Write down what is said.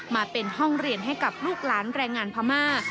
มาเป็นห้องเรียนให้กับลูกหลานแรงงานพม่า